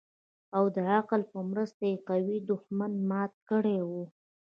او د عقل په مرسته يې قوي دښمن مات کړى و.